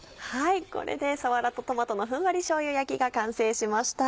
これで「さわらとトマトのふんわりしょうゆ焼き」が完成しました。